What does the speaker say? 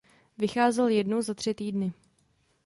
Vycházel jednou za tři týdny.